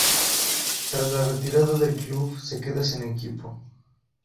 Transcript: Tras la retirada del club se queda sin equipo.